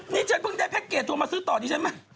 นี่ฉันเพิ่งได้แพ็คเกรดตัวมาซื้อต่อนี่ฉันมา